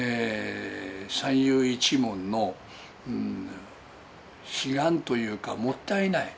三遊一門の悲願というか、もったいない。